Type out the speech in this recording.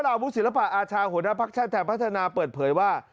อาวุศิลปะอาชาหัวหน้าภักดิ์ชาติไทยพัฒนาเปิดเผยว่า